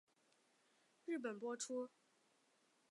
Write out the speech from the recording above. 日本播出。